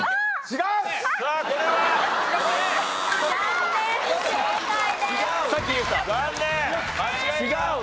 「違う！」。